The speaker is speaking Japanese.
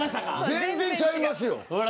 全然ちゃいますよ。